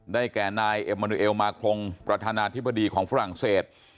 แก่นายเอ็มมานูเอลมาครงประธานาธิบดีของฝรั่งเศส